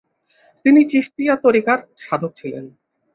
তিনি চিশতিয়া তরিকার সাধক ছিলেন।